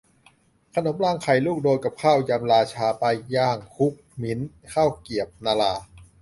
ขนมรางไข่ ลูกโดน กับ ข้าวยำ 'ราชา' ปลาย่างคลุกขมิ้น ข้าวเกรียบนรา